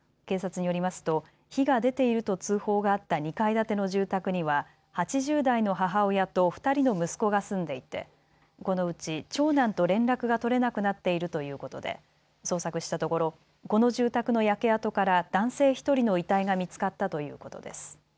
警察によりますと火が出ていると通報があった２階建ての住宅には８０代の母親と２人の息子が住んでいてこのうち長男と連絡が取れなくなっているということで捜索したところ、この住宅の焼け跡から男性１人の遺体が見つかったということです。